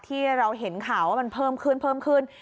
ที่เราเห็นข่าวว่ามันเพิ่มขึ้นเพิ่มขึ้น